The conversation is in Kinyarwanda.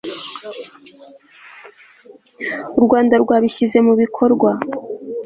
u rwanda rwabishyize mu bikorwa